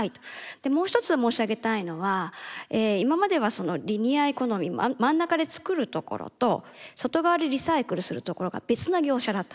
でもう一つ申し上げたいのは今まではそのリニアエコノミー真ん中で作るところと外側でリサイクルするところが別な業者だった。